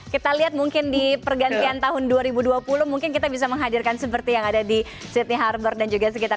kita lihat mungkin di pergantian tahun dua ribu dua puluh mungkin kita bisa menghadirkan seperti yang ada di sydney harbor dan juga sekitar